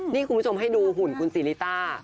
นี่คุณผู้ชมให้ดูหุ่นคุณศรีริต้า